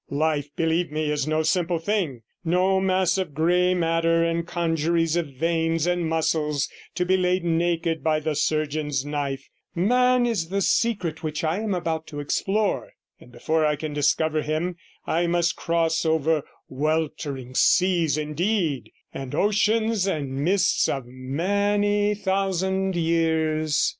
Life, believe me, is no simple thing, no mass of grey matter and congeries of veins and muscles to be laid naked by the surgeon's knife; man is the secret which I am about to explore, and before I can discover him I must cross over weltering seas indeed, and oceans and the mists of many thousand years.